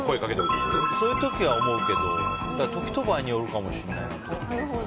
そういう時は思うけど時と場合によるかもしれない。